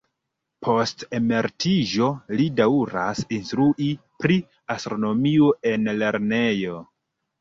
Post emeritiĝo, li daŭras instrui pri astronomio en lernejoj.